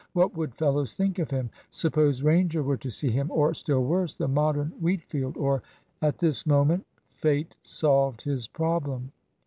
What would fellows think of him! Suppose Ranger were to see him, or, still worse, the Modern Wheatfield, or At this moment fate solved his problem.